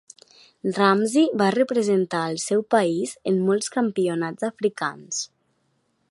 Ramzi va representar al seu país en molts campionats africans.